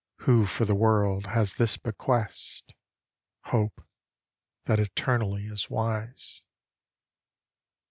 Who for the World has this Bequest Hope, that eternally is wise.